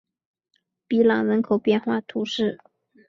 比朗人口变化图示